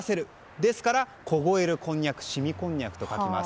ですから凍えるこんにゃく凍みこんにゃくと書きます。